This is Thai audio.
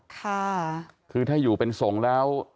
ค่ะคือถ้าอยู่เป็นส่งแล้ว